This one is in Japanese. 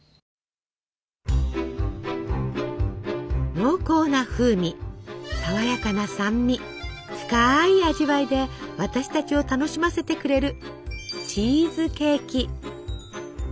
濃厚な風味さわやかな酸味深い味わいで私たちを楽しませてくれるチーズケーキ。